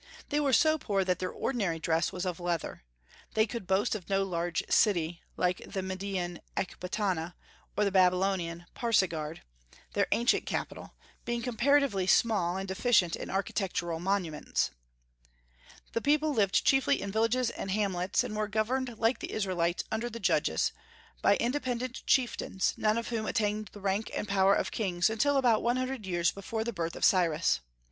They were so poor that their ordinary dress was of leather. They could boast of no large city, like the Median Ecbatana, or like Babylon, Pasargadae, their ancient capital, being comparatively small and deficient in architectural monuments. The people lived chiefly in villages and hamlets, and were governed, like the Israelites under the Judges, by independent chieftains, none of whom attained the rank and power of kings until about one hundred years before the birth of Cyrus.